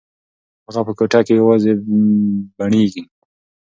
هغه په کوټه کې یوازې بڼیږي.